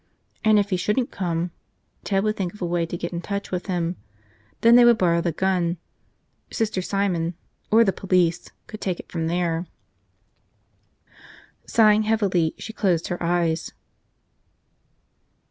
And if he shouldn't come, Ted would think of a way to get in touch with him. Then they would borrow the gun. Sister Simon – or the police – could take it from there. Sighing heavily, she closed her eyes.